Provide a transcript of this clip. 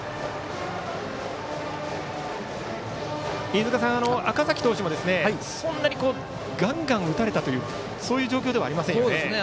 飯塚さん、赤嵜投手もそんなにがんがん打たれたという状況ではありませんよね。